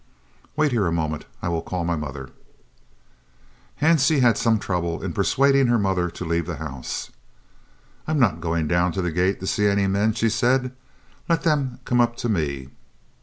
"Wait here a moment. I will call my mother." Hansie had some trouble in persuading her mother to leave the house. "I am not going down to the gate to see any men," she said. "Let them come up to me."